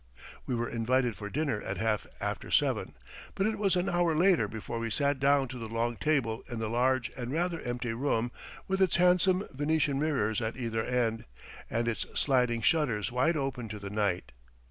We were invited for dinner at half after seven, but it was an hour later before we sat down to the long table in the large and rather empty room, with its handsome Venetian mirrors at either end, and its sliding shutters wide open to the night.